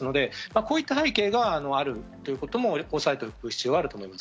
そういった背景があることもおさえておく必要があると思います。